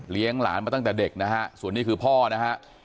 หลานมาตั้งแต่เด็กนะฮะส่วนนี้คือพ่อนะฮะ